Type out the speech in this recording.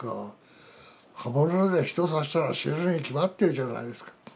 刃物で人刺したら死ぬに決まってるじゃないですか。